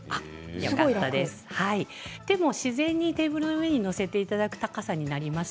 手も自然にテーブルの上に載せていただく高さです。